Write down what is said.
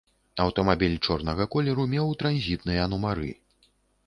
Аўтамабіль чорнага колеру меў транзітныя нумары.